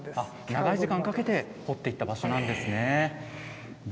長い時間かけて掘っていった場所なんですね。